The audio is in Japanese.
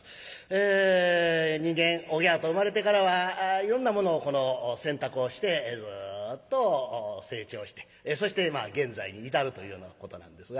え人間オギャーと生まれてからはいろんなものを選択をしてずっと成長してそしてまあ現在に至るというようなことなんですが。